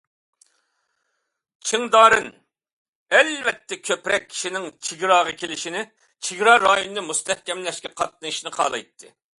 چىڭ دارىن ئەلۋەتتە كۆپرەك كىشىنىڭ چېگراغا كېلىشىنى، چېگرا رايوننى مۇستەھكەملەشكە قاتنىشىشىنى خالايتتى.